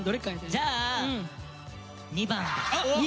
じゃあ２番で。